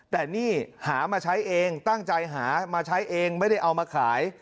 แต่นี่หามาใช้เองตั้งใจหามาใช้เองไม่ได้เอามาขาย